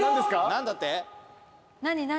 何だって？